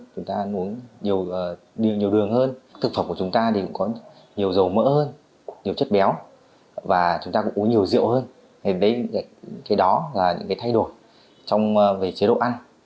thì đấy cái đó là những cái thay đổi trong về chế độ ăn